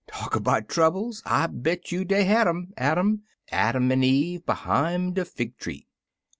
Talk about troubles! I bet you dey had 'em — Adam — Adam an' Eve behime de fig tree.